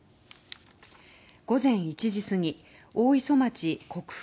午前１時過ぎ大磯町国府